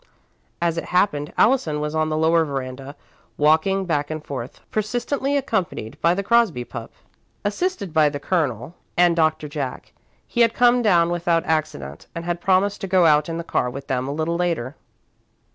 As it happened, Allison was on the lower veranda, walking back and forth, persistently accompanied by the Crosby pup. Assisted by the Colonel and Doctor Jack, he had come down without accident, and had promised to go out in the car with them a little later.